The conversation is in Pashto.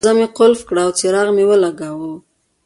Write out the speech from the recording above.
دروازه مې قلف کړه او څراغ مې ولګاوه.